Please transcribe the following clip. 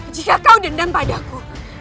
jika kau dendam padaku